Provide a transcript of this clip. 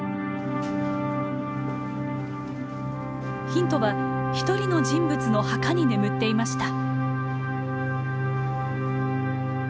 ヒントは一人の人物の墓に眠っていました。